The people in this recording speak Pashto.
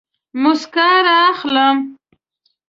موسکا رااخلم